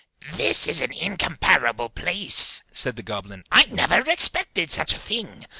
"This is an incomparable place," said the goblin: "I never expected such a thing!